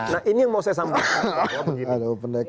nah ini yang mau saya sampaikan